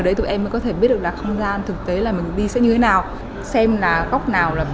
đấy tụi em mới có thể biết được là không gian thực tế là mình đi sẽ như thế nào xem là góc nào là